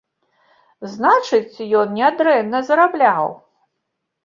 Значыць, ён нядрэнна зарабляў.